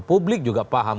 publik juga paham